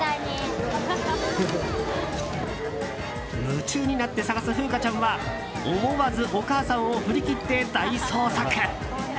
夢中になって探す楓椛ちゃんは思わずお母さんを振り切って大捜索。